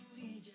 kamu beruang gak